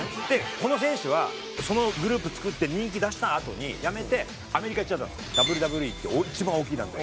この選手はそのグループ作って人気出したあとに辞めてアメリカ行っちゃったんですよＷＷＥっていう一番大きい団体。